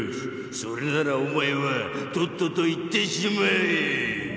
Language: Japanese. それならおまえはとっとといってしまえ！